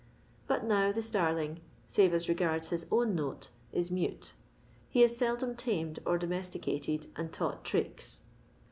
But now the starling, save as re gards his own note, is mute. He is seldom tamed or domesticated and taught tricks.